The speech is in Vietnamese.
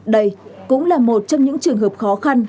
đây cũng là một trong những trường hợp khó khăn